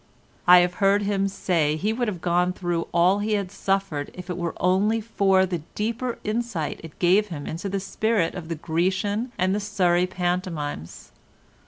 I have heard him say he would have gone through all he had suffered if it were only for the deeper insight it gave him into the spirit of the Grecian and the Surrey pantomimes.